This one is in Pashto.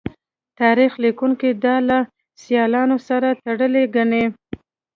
تاریخ لیکوونکي دا له سیالانو سره تړلې ګڼي